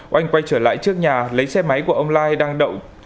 oanh quay trở lại trước nhà lấy xe máy của ông lai đang đậu